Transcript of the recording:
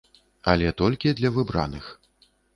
Але толькі для выбраных.